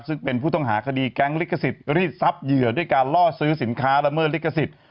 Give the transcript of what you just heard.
ซึ่งเป็นผู้ต้องหาคดีแก๊งลิขสิทธิ์รีดทรัพย์เหยื่อด้วยการล่อซื้อสินค้าละเมิดลิขสิทธิ์